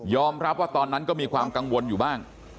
รับว่าตอนนั้นก็มีความกังวลอยู่บ้าง